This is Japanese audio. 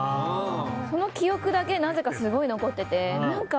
その記憶だけなぜかすごい残ってて。